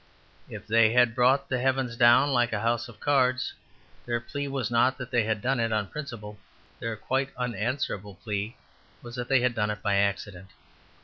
If they had brought the heavens down like a house of cards their plea was not even that they had done it on principle; their quite unanswerable plea was that they had done it by accident.